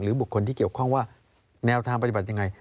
บุคคลที่เกี่ยวข้องว่าแนวทางปฏิบัติยังไง